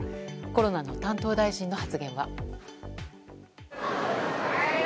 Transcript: コロナの担当大臣の発言は。